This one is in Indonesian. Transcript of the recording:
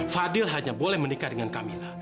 fadil hanya boleh menikah dengan kami